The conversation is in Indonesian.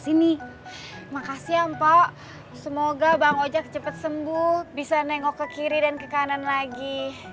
sini makasih ampok semoga bang ojak cepet sembuh bisa nengok ke kiri dan kekanan lagi